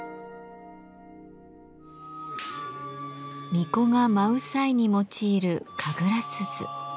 巫女が舞う際に用いる神楽鈴。